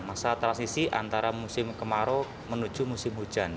masa transisi antara musim kemarau menuju musim hujan